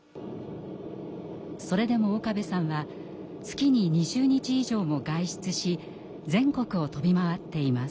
それでも岡部さんは月に２０日以上も外出し全国を飛び回っています。